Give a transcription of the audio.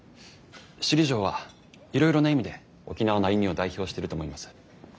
首里城はいろいろな意味で沖縄の歩みを代表してると思います。